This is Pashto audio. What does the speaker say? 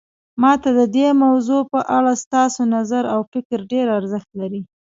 ما ته د دې موضوع په اړه ستاسو نظر او فکر ډیر ارزښت لري